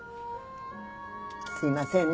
すいませんね